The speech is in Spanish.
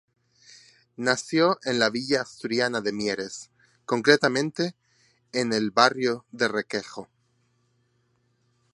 Nació en la villa asturiana de Mieres, concretamente, en el barrio de Requejo.